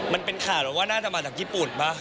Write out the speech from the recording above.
มันเป็นข่าวแล้วว่าน่าจะมาจากญี่ปุ่นป่ะ